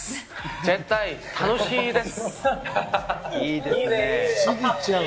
絶対楽しいです。